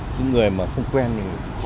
những người mà không quen